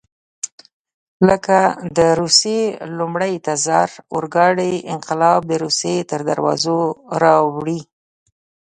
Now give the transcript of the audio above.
لکه د روسیې لومړي تزار اورګاډی انقلاب د روسیې تر دروازو راوړي.